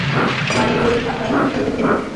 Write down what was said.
মারিফুল হাসান, সূত্র সিনেট